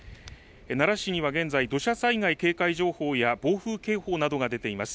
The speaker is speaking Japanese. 奈良市には現在、土砂災害警戒情報や暴風警報などが出ています。